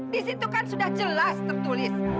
di situ kan sudah jelas tertulis